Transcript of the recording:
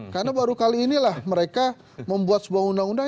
karena baru kali inilah mereka membuat sebuah undang undang